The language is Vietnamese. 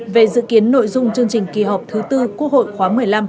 về dự kiến nội dung chương trình kỳ họp thứ tư quốc hội khóa một mươi năm